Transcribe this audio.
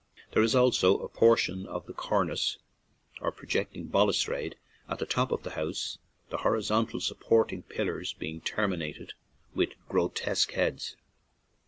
There is also a portion of the cornice or projecting bal ustrade at the top of the house, the hori zontal supporting pillars being termi nated with grotesque heads.